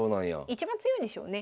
一番強いんでしょうね。